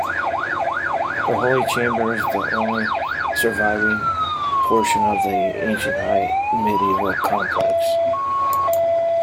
The Holy Chamber is the only surviving portion of the ancient high-medieval complex.